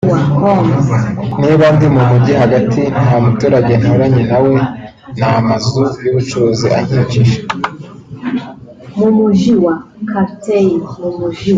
Niba ndi mu Mujyi hagati nta muturage nturanye na we ni amazu y’ubucuruzi ankikije